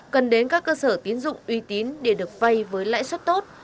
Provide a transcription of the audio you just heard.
cần đến các cơ sở tín dụng uy tín để được vay với lãi suất tốt